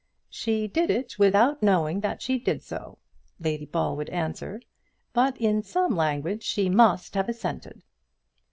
"She did it without knowing that she did so," Lady Ball would answer; "but in some language she must have assented."